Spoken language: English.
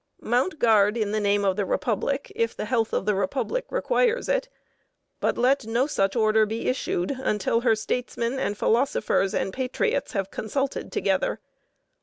Mount guard in the name of the Republic if the health of the Republic requires it, but let no such order be issued until her statesmen and philosophers and patriots have consulted together.